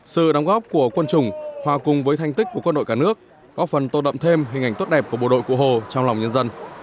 sự đóng góp của quân chủng hòa cùng với thanh tích của quân đội cả nước góp phần tô đậm thêm hình ảnh tốt đẹp của bộ đội cụ hồ trong lòng nhân dân